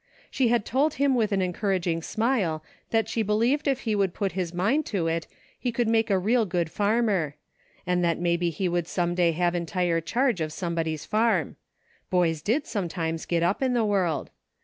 She had told him with an encouraging smile that she believed if he would put his mind to it he could make a real good farmer ; and that maybe he would some day have entire charge of somebody's farm. Boys did some times get up in the world.